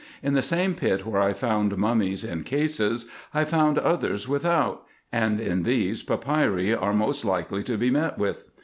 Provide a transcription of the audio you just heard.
In the same pit where I found mummies in cases, I found others without ; and in these, papyri are most likely to be met with.